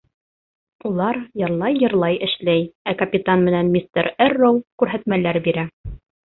Улар йырлай-йырлай эшләй, ә капитан менән мистер Эрроу күрһәтмәләр бирә.